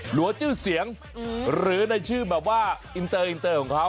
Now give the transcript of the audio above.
หลัวจือเสียงหรือในชื่อแบบว่าอินเตอร์ของเขา